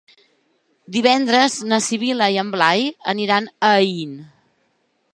Divendres na Sibil·la i en Blai aniran a Aín.